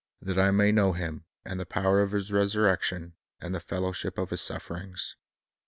. that I may know Him, and the power of His resurrection, and the fellow ship of His sufferings."